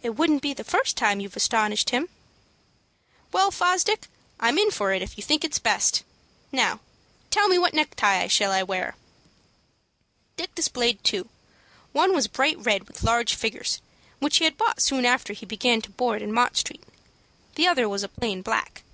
"It wouldn't be the first time you have astonished him." "Well, Fosdick, I'm in for it if you think it's best. Now tell me what necktie I shall wear?" Dick displayed two. One was bright red with large figures, which he had bought soon after he began to board in Mott Street. The other was a plain black.